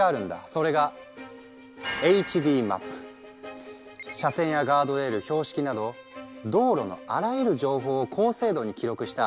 それが車線やガードレール標識など道路のあらゆる情報を高精度に記録した